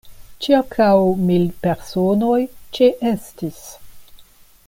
Ĉirkaŭ mil personoj ĉeestis.